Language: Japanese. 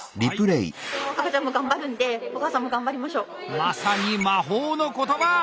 まさに魔法の言葉！